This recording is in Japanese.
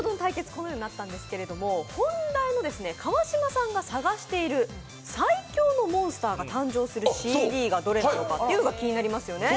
このようになったんですけど、本題は川島さんが探している最強のモンスターが誕生するＣＤがどれかというのが気になりますよね。